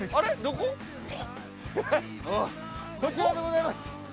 こちらでございます。